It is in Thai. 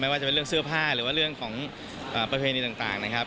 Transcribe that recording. ว่าจะเป็นเรื่องเสื้อผ้าหรือว่าเรื่องของประเพณีต่างนะครับ